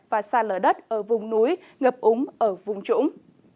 và xa lở đất ở vùng núi ngập úng ở vùng trũng